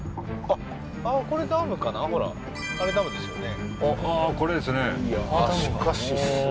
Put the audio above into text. あれダムですよね？